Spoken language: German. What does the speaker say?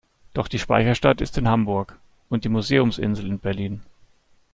Doch die Speicherstadt ist in Hamburg und die Museumsinsel in Berlin.